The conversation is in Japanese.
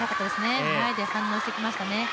前で反応してきましたね。